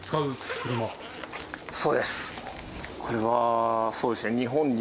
これはそうですね。